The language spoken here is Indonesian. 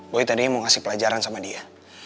boy tadinya mau kasih pelajaran sama dia